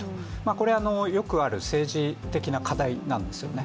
これはよくある政治的な課題なんですよね。